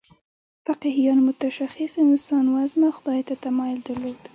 فقیهانو متشخص انسانوزمه خدای ته تمایل درلود.